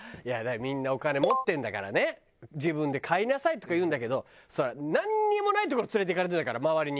みんな「お金持ってるんだからね自分で買いなさい」とか言うんだけどなんにもない所連れていかれてんだから周りに。